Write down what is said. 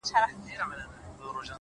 • همېشه به يې دوه درې فصله کرلې,